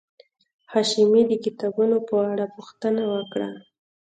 حشمتي د کتابونو په اړه پوښتنه وکړه